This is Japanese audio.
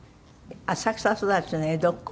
浅草育ちの江戸っ子。